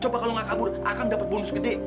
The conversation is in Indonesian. coba kalo gak kabur akan dapat bonus gede